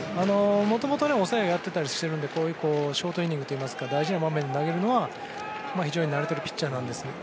もともと抑えをやったりしてるのでショートイニングというか大事な場面で投げるのは非常に慣れているピッチャーなんです。